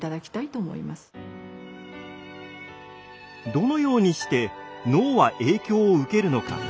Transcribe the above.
どのようにして脳は影響を受けるのか。